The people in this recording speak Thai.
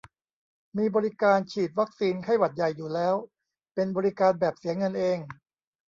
มีบริการฉีดวัคซีนไข้หวัดใหญ่อยู่แล้ว เป็นบริการแบบเสียเงินเอง